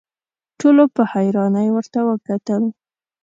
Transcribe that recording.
ټولو په حيرانۍ ورته وکتل.